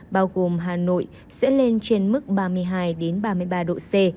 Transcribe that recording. bao gồm hà nội sẽ lên trên mức ba mươi hai ba mươi ba độ c